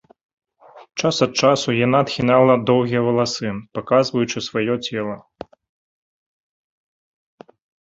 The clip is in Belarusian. Час ад часу яна адхінала доўгія валасы, паказваючы сваё цела.